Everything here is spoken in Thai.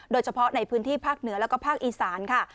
โดยเฉพาะในพื้นที่ภาคเหนือแล้วก็ภาคอีสานค่ะ